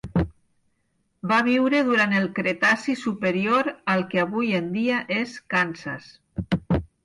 Va viure durant el Cretaci superior al que avui en dia és Kansas.